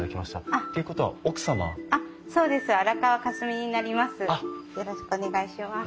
あっそうです。